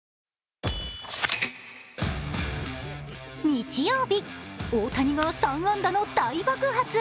日曜日、大谷は３安打の大爆発。